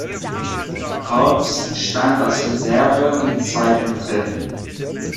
Korps stand als Reserve im zweiten Treffen.